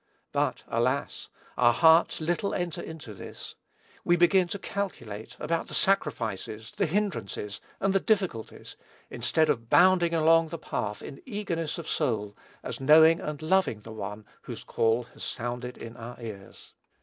But alas! our hearts little enter into this. We begin to calculate about the sacrifices, the hindrances, and the difficulties, instead of bounding along the path, in eagerness of soul, as knowing and loving the One whose call has sounded in our ears.